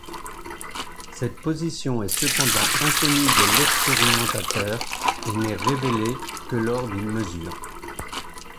Cette position est cependant inconnue de l'expérimentateur et n'est révélée que lors d'une mesure.